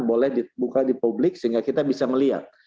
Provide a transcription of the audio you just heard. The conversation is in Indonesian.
boleh dibuka di publik sehingga kita bisa melihat